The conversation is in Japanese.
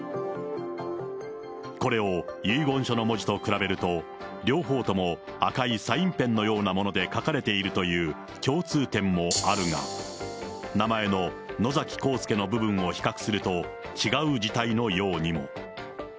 これを遺言書の文字と比べると、両方とも赤いサインペンのようなもので書かれているという共通点もあるが、名前の野崎幸助の部分を比較すると、違う字体のようにも。